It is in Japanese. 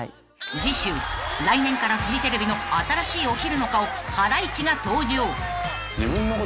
［次週来年からフジテレビの新しいお昼の顔ハライチが登場］